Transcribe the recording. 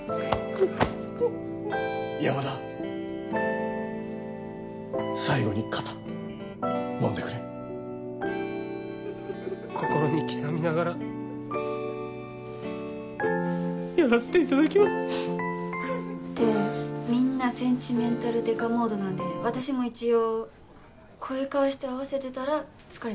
山田最後に肩もんでくれ心に刻みながらやらせていただきますってみんなセンチメンタル刑事モードなんで私も一応こういう顔して合わせてたら疲れちゃって。